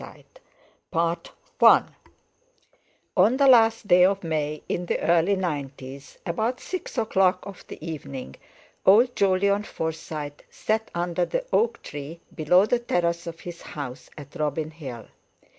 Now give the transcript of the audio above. —Shakespeare I In the last day of May in the early 'nineties, about six o'clock of the evening, old Jolyon Forsyte sat under the oak tree below the terrace of his house at Robin Hill.